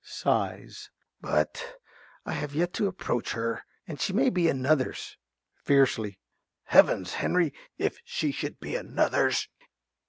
But I have yet to approach her, and she may be another's. (Fiercely.) Heavens, Henry, if she should be another's!